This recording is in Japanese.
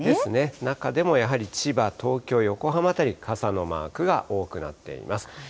中でもやはり千葉、東京、横浜辺り、傘のマークが多くなっています。